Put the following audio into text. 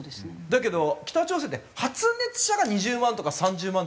だけど北朝鮮って発熱者が２０万とか３０万っていって。